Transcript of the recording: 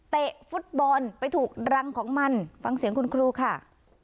เตะฟุตบอลไปถูกรังของมันฟังเสียงคุณครูค่ะ